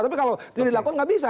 tapi kalau tidak dilakukan tidak bisa